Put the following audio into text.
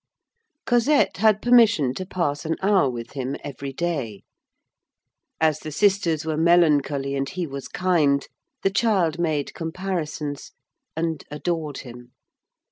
Cosette had permission to pass an hour with him every day. As the sisters were melancholy and he was kind, the child made comparisons and adored him.